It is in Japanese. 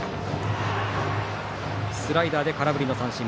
スライダーで空振りの三振。